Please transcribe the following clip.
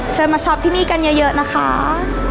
มาช็อปที่นี่กันเยอะนะคะ